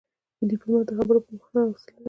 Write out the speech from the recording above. ډيپلومات د خبرو پر مهال حوصله لري.